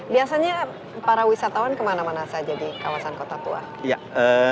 biasanya para wisatawan kemana mana saja di kawasan kota tua